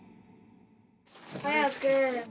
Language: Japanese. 早く。